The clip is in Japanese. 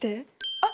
あっ！